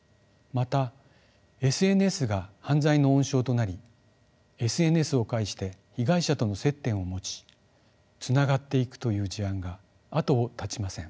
またＳＮＳが犯罪の温床となりＳＮＳを介して被害者との接点を持ちつながっていくという事案が後を絶ちません。